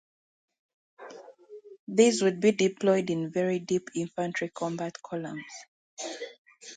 These would be deployed in very deep infantry combat columns.